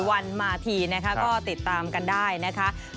วันมาทีนะคะก็ติดตามกันได้นะคะ